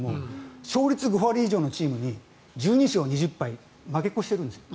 勝率５割以上のチームに１２勝２０敗で負け越してるんです。